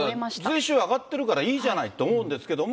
税収上がってるからいいじゃないと思うんですけども。